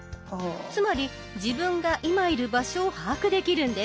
つまり自分が今いる場所を把握できるんです。